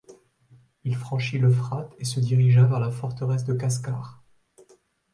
Il franchit l'Euphrate et se dirigea vers la forteresse de Kaskar.